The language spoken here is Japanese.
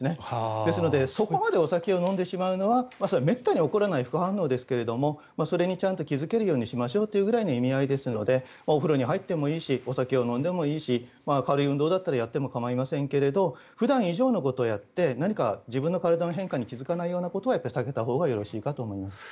ですから、そこまでお酒を飲んでしまうのはそれはめったに起こらない副反応ですがそれにちゃんと気付けるようにしましょうという意味合いですのでお風呂に入ってもいいしお酒を飲んでもいいし軽い運動だったらやっても構いませんが普段以上のことをやって自分の体の変化に気付かないようなことは避けたほうがよろしいかと思います。